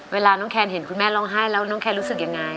เวลาน้องแคนเห็นคุณแม่ร้องไห้แล้วน้องแคนรู้สึกยังไง